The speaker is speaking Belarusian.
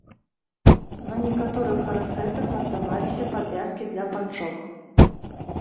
На некаторых гарсэтах мацаваліся падвязкі для панчох.